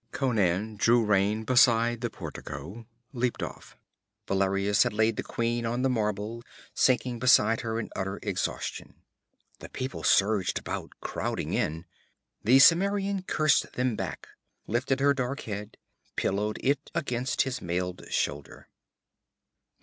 Conan drew rein beside the portico, leaped off. Valerius had laid the queen on the marble, sinking beside her in utter exhaustion. The people surged about, crowding in. The Cimmerian cursed them back, lifted her dark head, pillowed it against his mailed shoulder.